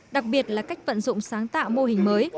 đặc biệt là cách vận dụng sáng tạo mô hình mới